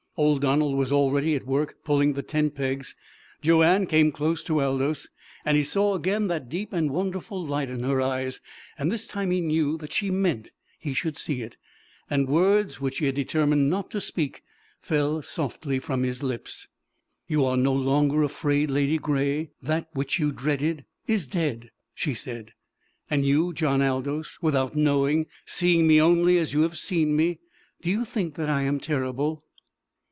Old Donald was already at work pulling the tent pegs. Joanne came close to Aldous, and he saw again that deep and wonderful light in her eyes. This time he knew that she meant he should see it, and words which he had determined not to speak fell softly from his lips. "You are no longer afraid, Ladygray? That which you dreaded " "Is dead," she said. "And you, John Aldous? Without knowing, seeing me only as you have seen me, do you think that I am terrible?"